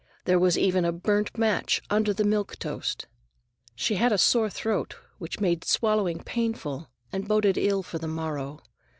There was even a burnt match under the milk toast. She had a sore throat, which made swallowing painful and boded ill for the morrow.